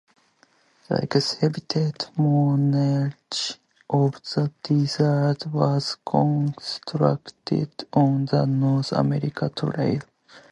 The exhibit, Monarch of the Desert, was constructed on the North America Trail.